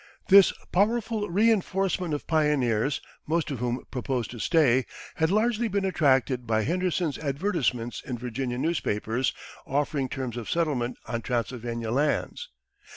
This powerful reenforcement of pioneers, most of whom proposed to stay, had largely been attracted by Henderson's advertisements in Virginia newspapers offering terms of settlement on Transylvania lands.